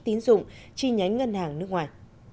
tín dụng chi nhánh ngân hàng nước ngoài